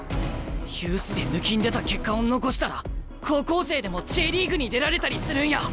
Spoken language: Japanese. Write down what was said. ユースでぬきんでた結果を残したら高校生でもＪリーグに出られたりするんや！